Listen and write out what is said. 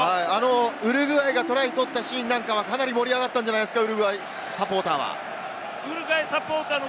ウルグアイがトライを取ったシーンはかなり盛り上がったんじゃないですか、ウルグアイサポーターは。